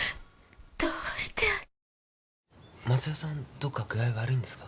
どっか具合悪いんですか？